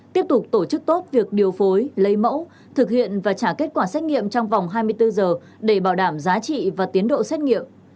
tiếp tục tổ chức tốt việc điều phối lấy mẫu thực hiện và trả kết quả xét nghiệm trong vòng hai mươi bốn giờ để bảo đảm giá trị và tiến độ xét nghiệm